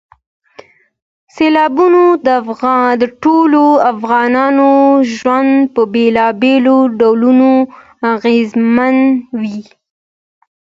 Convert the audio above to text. سیلابونه د ټولو افغانانو ژوند په بېلابېلو ډولونو اغېزمنوي.